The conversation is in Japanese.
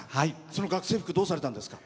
その学生服どうされたんですか？